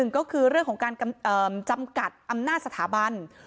ก็คือเรื่องของการจำกัดอำนาจสถาบัน